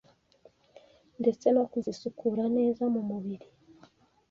ndetse no kuzisukura neza mumubiri